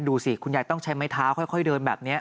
ดูสิคุณยายต้องใช้ไม้เท้าค่อยเดินแบบนี้